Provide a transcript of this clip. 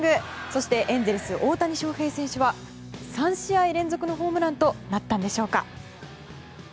そしてエンゼルス大谷翔平選手は３試合連続のホームランとなったのでしょうか。